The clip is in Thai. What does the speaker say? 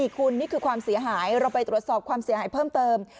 คุณนี่คือความเสียหายเราไปตรวจสอบความเสียหายเพิ่มเติม